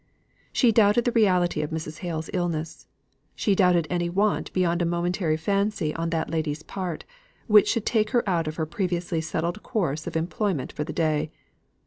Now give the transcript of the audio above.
She doubted the reality of Mrs. Hale's illness; she doubted any want beyond a momentary fancy on that lady's part, which should take her out of her previously settled course of employment for the day.